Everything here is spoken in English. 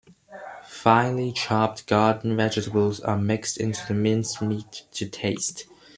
Finely chopped garden vegetables are mixed into the minced meat to taste.